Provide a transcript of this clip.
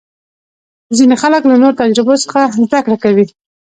ځینې خلک له نورو تجربو څخه زده کړه کوي.